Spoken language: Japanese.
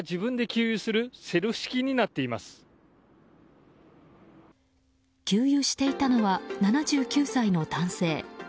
給油していたのは７９歳の男性。